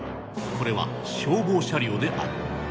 これは消防車両である。